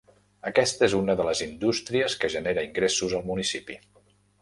Aquesta és una de les indústries que genera ingressos al municipi.